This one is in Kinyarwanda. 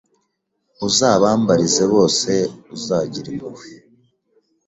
Uzabambarize bose uzagira impuhwe